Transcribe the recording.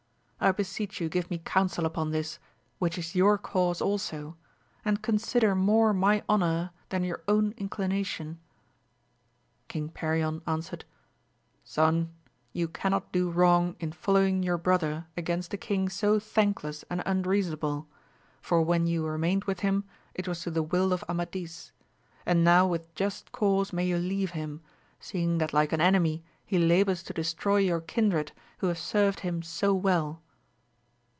I beseech you give me counsel upon this, which is your cause also, and consider more my honour than your own inclination. King Perion answered, Son you cannot do wrong in following your brother against a king so thankless and unreasonable, for wherf you remained with him, it was to do the will of Amadis ; and now with just cause may you leave him, seeing that like an enemy he labours to destroy your kindred who have served him so well.